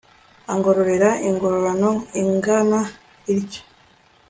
angororera ingororano ingana ityo